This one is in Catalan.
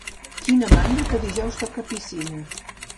Quina mandra que dijous toca piscina.